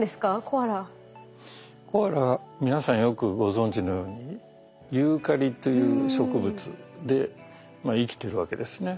コアラ皆さんよくご存じのようにユーカリという植物で生きてるわけですね。